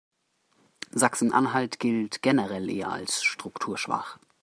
Sachsen-Anhalt gilt generell als eher strukturschwach.